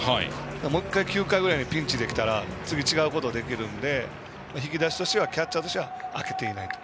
もう１回、９回ぐらいにピンチで来たら次、違うことができるので引き出しはキャッチャーとしては開けていないと。